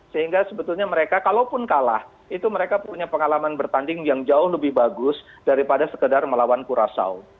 sehingga sebetulnya mereka kalaupun kalah itu mereka punya pengalaman bertanding yang jauh lebih bagus daripada sekedar melawan kurasau